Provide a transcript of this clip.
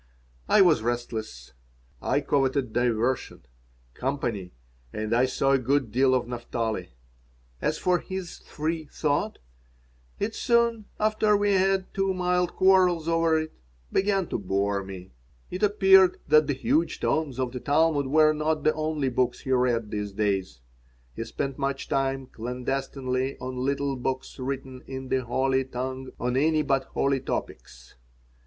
I was restless. I coveted diversion, company, and I saw a good deal of Naphtali. As for his Free Thought, it soon, after we had two mild quarrels over it, began to bore me. It appeared that the huge tomes of the Talmud were not the only books he read these days. He spent much time, clandestinely, on little books written in the holy tongue on any but holy topics.